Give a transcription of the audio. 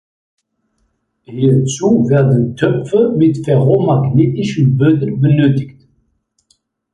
Hierzu werden Töpfe mit ferromagnetischen Böden benötigt.